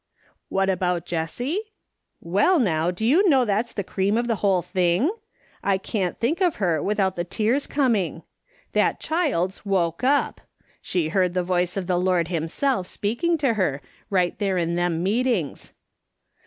' What about Jessie ?' Well, now, do you know that's the cream of the whole thing ! I can't think of her without the tears com ing. That child's woke up. She heard the voice of the Lord himself speaking to her, right there in them meetings.